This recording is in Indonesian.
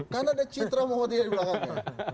karena ada citra muhammadiyah di belakangnya